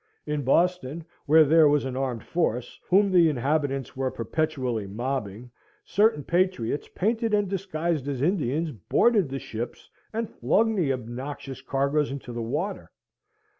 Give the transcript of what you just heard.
In Boston (where there was an armed force, whom the inhabitants were perpetually mobbing), certain patriots, painted and disguised as Indians, boarded the ships, and flung the obnoxious cargoes into the water.